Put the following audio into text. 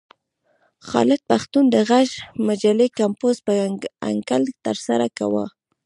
خالد پښتون د غږ مجلې کمپوز په انکل ترسره کاوه.